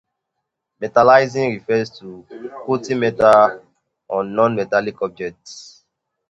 Metallizing refers to coating metal on non-metallic objects.